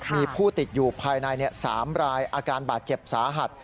มีผู้ติดอยู่ภายใน๓รายอาการบาดเจ็บสาหัส